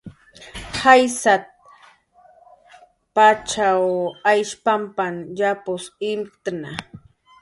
"Jaysat"" pachaw Aysh pamp yapus imktna"